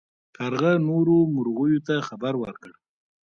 کارغه نورو مرغیو ته خبر ورکړ.